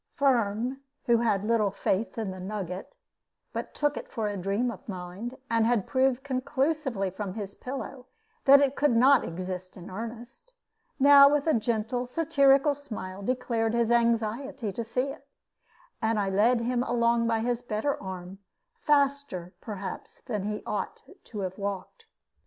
Firm, who had little faith in the nugget, but took it for a dream of mine, and had proved conclusively from his pillow that it could not exist in earnest, now with a gentle, satirical smile declared his anxiety to see it; and I led him along by his better arm, faster, perhaps, than he ought to have walked.